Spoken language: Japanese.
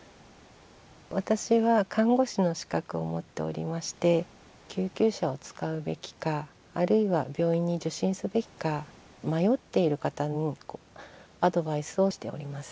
私は看護師の資格を持っておりまして救急車を使うべきかあるいは病院に受診すべきか迷っている方のアドバイスをしております。